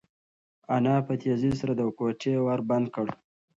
انا په تېزۍ سره د کوټې ور بند کړ.